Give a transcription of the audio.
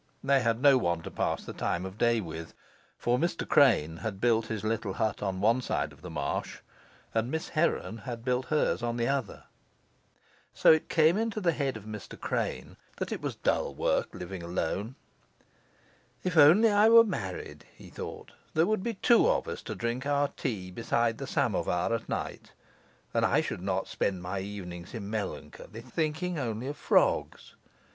They had no one to pass the time of day with. For Mr. Crane had built his little hut on one side of the marsh, and Miss Heron had built hers on the other. So it came into the head of Mr. Crane that it was dull work living alone. If only I were married, he thought, there would be two of us to drink our tea beside the samovar at night, and I should not spend my evenings in melancholy, thinking only of frogs.